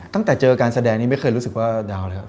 ตั้งแต่เจอการแสดงนี้ไม่เคยรู้สึกว่าดาวแล้ว